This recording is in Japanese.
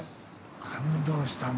感動したね。